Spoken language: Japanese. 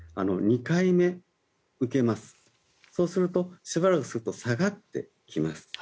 ２回目を受けますそうするとしばらくすると下がってきます。